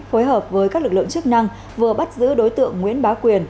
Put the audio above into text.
phối hợp với các lực lượng chức năng vừa bắt giữ đối tượng nguyễn bá quyền